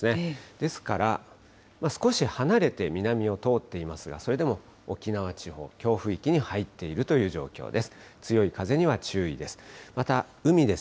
ですから、少し離れて南を通っていますが、それでも沖縄地方、強風域に入っている状況です。